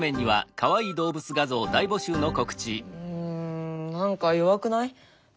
うん何か弱くない？